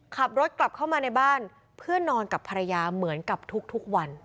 ขับรถกลับเข้ามาในบ้านเพื่อนอนกับภรรยาเหมือนกับทุกวัน